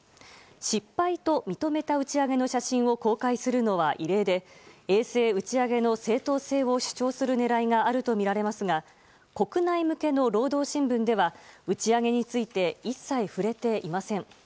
失敗と認めた打ち上げの写真を公開するのは異例で衛星打ち上げの正当性を主張する狙いがあるとみられますが国内向けの労働新聞では打ち上げについて一切触れていません。